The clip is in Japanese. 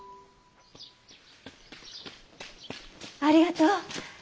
ありがとう。